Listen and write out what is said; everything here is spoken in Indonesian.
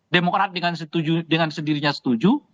demokrat dengan setuju dengan sendirinya setuju